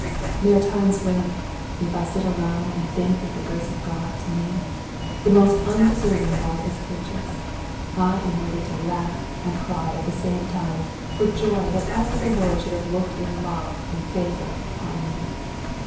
There are times when, if I sit alone and think of the grace of God to me, the most unde serving of all his creatures, I am ready to laugh and cry at the same time for joy that ever the Lord should have looked in love and favor upon me.